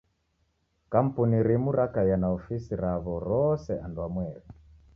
Kampuni rimu rakaia na ofisi raw'o rose anduamweri.